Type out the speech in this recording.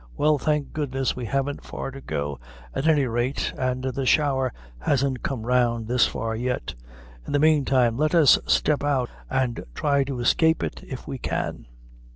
Well, thank goodness, we haven't far to go, at any rate, an' the shower hasn't come round this far yet. In the mean time let us step out an' thry to escape it if we can."